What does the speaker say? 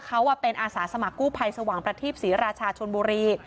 เขาเป็นอาสาสมัครกู้ภัยสว่างประทีปศรีราชาชนบุรี